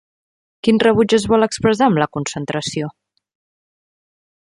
Quin rebuig es vol expressar amb la concentració?